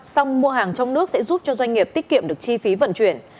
xong mua hàng trong nước sẽ giúp cho doanh nghiệp tiết kiệm được chi phí vận chuyển